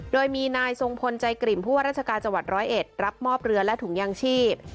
โดยมีนายทรงพลใจกลิ่มผู้ว่าราชการจังหวัดร้อยเอ็ดรับมอบเรือและถุงยางชีพ